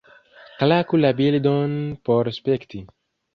Klaku la bildon por spekti.